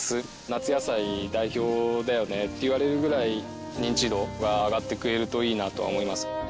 「夏野菜代表だよね」って言われるぐらい認知度が上がってくれるといいなとは思います。